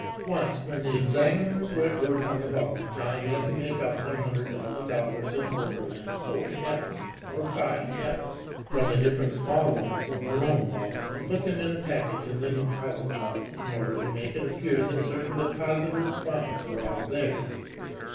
Once, when the examiners were at work on the vault, John had to make up one hundred thousand dollars in Overland 4s or 5s from the different small loans in the loan vault and put them in a package in the deposit vault in order to make it appear that certain depositors' bonds were all there.